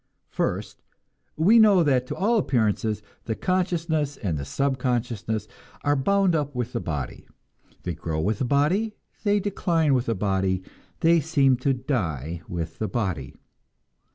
First, we know that to all appearances the consciousness and the subconsciousness are bound up with the body. They grow with the body, they decline with the body, they seem to die with the body.